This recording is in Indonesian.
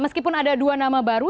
meskipun ada dua nama baru